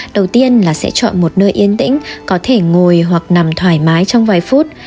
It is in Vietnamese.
đầu tiên là sẽ chọn một nơi yên tĩnh có thể ngồi hoặc nằm thoải mái trong vài phút